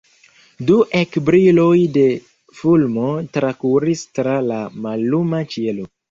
Du ekbriloj de fulmo trakuris tra la malluma ĉielo.